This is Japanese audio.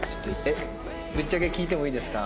ぶっちゃけ聞いてもいいですか？